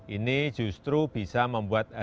ini justru bisa membuatkan